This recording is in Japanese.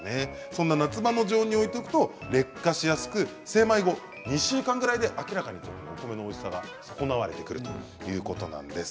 そんな夏場の常温に置いておくと劣化しやすく、精米後２週間ぐらいで明らかにお米のおいしさが損なわれてくるということなんです。